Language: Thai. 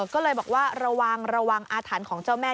ก็เลยบอกว่าระวังระวังอาถรรพ์ของเจ้าแม่